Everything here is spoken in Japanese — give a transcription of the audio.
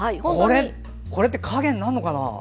これって影になるのかな？